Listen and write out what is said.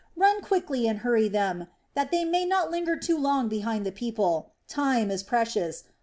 Run quickly and hurry them, that they may not linger too far behind the people. Time is precious!